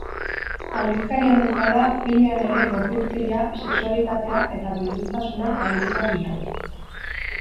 Aldizkarian bezala, filmean ere bortizkeria, sexualitatea eta biluztasuna agerikoak dira.